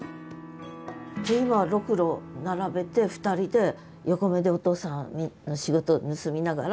じゃあ今ろくろ並べて２人で横目でお父さんの仕事を盗みながら？